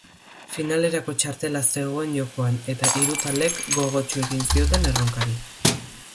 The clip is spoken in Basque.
Finalerako txartela zegoen jokoan eta hiru taldeek gogotsu ekin zioten erronakri.